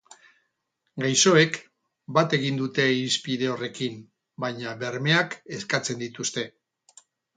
Gaixoek bat egin dute irizpide horrekin, baina bermeak eskatzen dituzte.